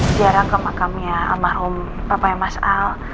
ziarah ke makamnya sama rumah papanya mas al